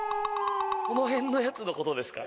この辺のやつのことですかね？